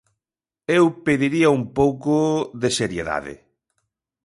Eu pediría un pouco se seriedade.